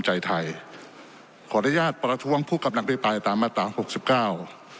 ใจไทยขออนุญาตประท้วงผู้กำลังพิปรายตามมาตราหกสิบเก้า